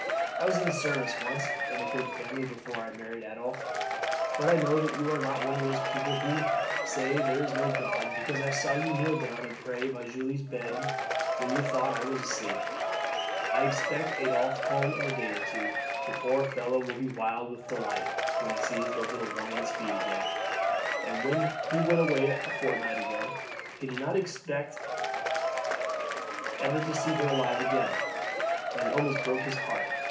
"I was in service once in a good family before I married Adolphe. But I know that you are not one of those people who say there is no God, because I saw you kneel down and pray by Julie's bed when you thought I was asleep. I expect Adolphe home in a day or two. The poor fellow will be wild with delight when he sees the little one on its feet again. When he went away a fortnight ago he did not expect ever to see her alive again, and it almost broke his heart.